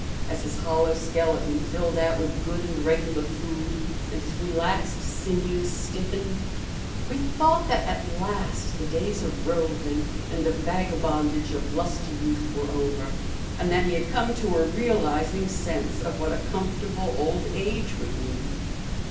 As his hollow skeleton filled out with good and regular food, and his relaxed sinews stiffened, we thought that at last the days of roving and the vagabondage of lusty youth were over and that he had come to a realizing sense of what a comfortable old age would mean.